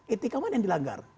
etika mana yang dilanggar